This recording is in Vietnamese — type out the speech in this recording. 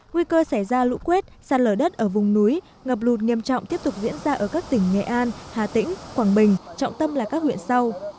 nguy cơ xảy ra lũ quét sạt lở đất ở vùng núi ngập lụt nghiêm trọng tiếp tục diễn ra ở các tỉnh nghệ an hà tĩnh quảng bình trọng tâm là các huyện sau